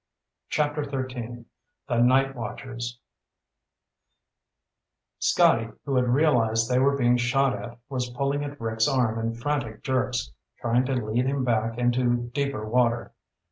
CHAPTER XIII The Night Watchers Scotty, who had realized they were being shot at, was pulling at Rick's arm in frantic jerks, trying to lead him back into deeper water.